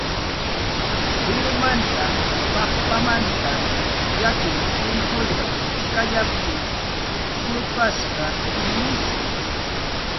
Wirumanta, paqpamanta yakun timpusqa tikayaptin kurpasqa miski